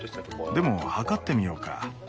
でも測ってみようか。